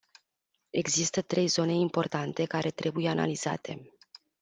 Există trei zone importante care trebuie analizate.